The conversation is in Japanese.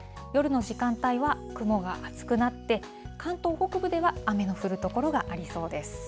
夜の時間帯は雲が厚くなって、関東北部では、雨の降る所がありそうです。